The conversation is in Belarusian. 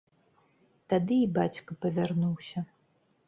Тады і бацька павярнуўся.